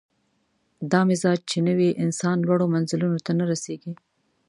دا مزاج چې نه وي، انسان لوړو منزلونو ته نه رسېږي.